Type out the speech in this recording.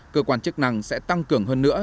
cơ quan chức năng sẽ tăng cường hơn nữa